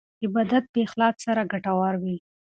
عبادت په اخلاص سره ګټور وي.